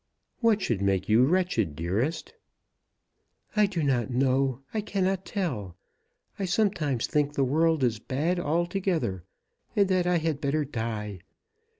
"What should make you wretched, dearest?" "I do not know. I cannot tell. I sometimes think the world is bad altogether, and that I had better die.